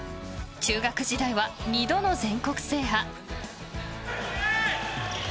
中学時代は２度の全国制覇。